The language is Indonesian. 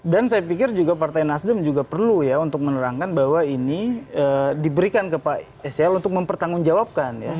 dan saya pikir juga partai nasdem juga perlu ya untuk menerangkan bahwa ini diberikan ke pak sl untuk mempertanggungjawabkan ya